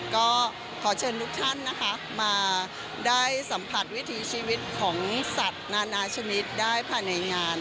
ก็ขอเชิญทุกท่านนะคะมาได้สัมผัสวิถีชีวิตของสัตว์นานาชนิดได้ภายในงาน